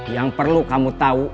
yang perlu kamu tahu